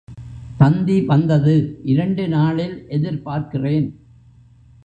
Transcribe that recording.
தந்தி வந்தது இரண்டு நாளில் எதிர்பார்க்கிறேன்.